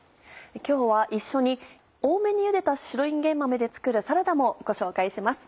今日は一緒に多めにゆでた白いんげん豆で作るサラダもご紹介します。